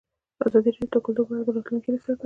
ازادي راډیو د کلتور په اړه د راتلونکي هیلې څرګندې کړې.